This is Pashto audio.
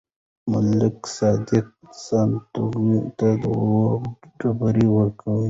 ملک صادق سانتیاګو ته دوه ډبرې ورکوي.